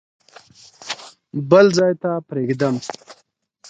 بل ځای ته پرېږدم.